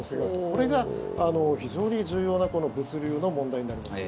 これが非常に重要な物流の問題になります。